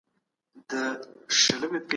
روښانه فکر روغتیا نه ځنډوي.